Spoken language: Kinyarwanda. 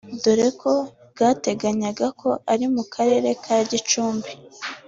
dore ko bwateganyaga ko ari mu Karere ka Gicumbi